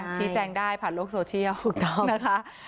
ชี้แจงได้ผ่านโลกโซเชียลนะคะ